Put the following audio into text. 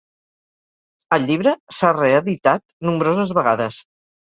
El llibre s'ha reeditat nombroses vegades.